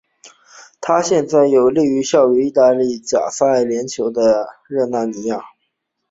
他现在效力于意大利足球甲级联赛球队热那亚。